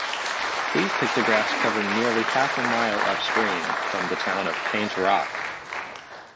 These pictographs cover nearly half a mile upstream from the town of Paint Rock.